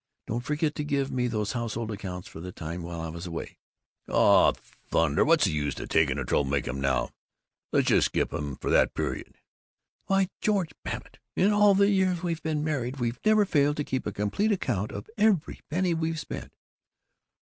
Don't forget to give me those household accounts for the time while I was away." "Oh, thunder, what's the use of taking the trouble to make 'em out now? Let's just skip 'em for that period." "Why, George Babbitt, in all the years we've been married we've never failed to keep a complete account of every penny we've spent!"